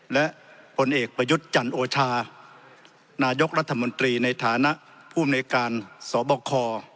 และผลเอกประยุทธ์จันโอชานายกรัฐมนตรีในฐานะผู้อำนวยการสบค